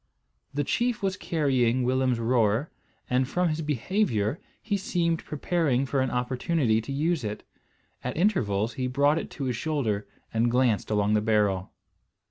The chief was carrying Willem's roer, and from his behaviour he seemed preparing for an opportunity to use it. At intervals he brought it to his shoulder and glanced along the barrel.